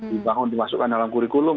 dibangun dimasukkan dalam kurikulum